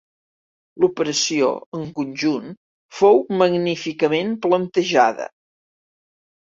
L'operació, en conjunt, fou magníficament plantejada.